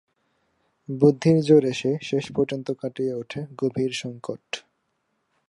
বুদ্ধির জোরে সে শেষ পর্যন্ত কাটিয়ে ওঠে গভীর সংকট।